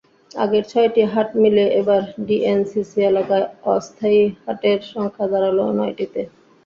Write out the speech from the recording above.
আগের ছয়টি হাট মিলে এবার ডিএনসিসি এলাকায় অস্থায়ী হাটের সংখ্যা দাঁড়াল নয়টিতে।